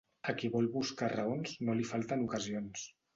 A qui vol buscar raons no li falten ocasions.